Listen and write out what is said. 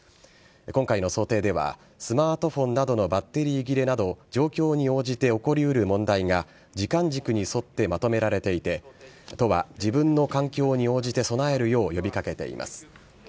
今回の想定ではスマートフォンなどのバッテリー切れなど状況に応じて起こりうる問題が時間軸に沿ってまとめられていて都は自分の環境に応じて備えるよう呼び掛けています。